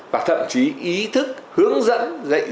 và thậm chí ý thức hướng dẫn